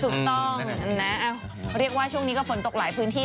ถูกต้องนะเรียกว่าช่วงนี้ก็ฝนตกหลายพื้นที่